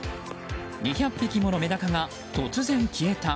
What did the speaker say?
２００匹ものメダカが突然消えた。